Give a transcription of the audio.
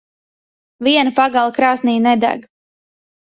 Viena pagale krāsnī nedeg.